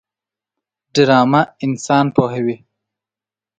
ډرامه انسان پوهوي